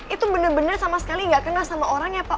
itu benar benar sama sekali nggak kena sama orangnya pak